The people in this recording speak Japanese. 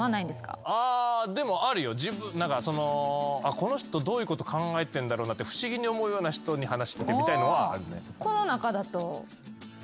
この人どういうこと考えてるんだろうなって不思議に思うような人に話し掛けてみたいのはあるね。